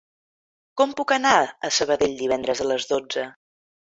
Com puc anar a Sabadell divendres a les dotze?